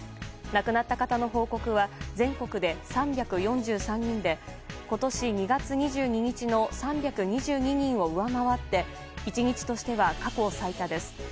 亡くなった方の報告は全国で３４３人で今年２月２２日の３２２人を上回って１日としては過去最多です。